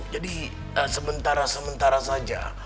jadi sementara sementara saja